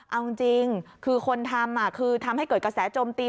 เอาจริงคือคนทำคือทำให้เกิดกระแสโจมตี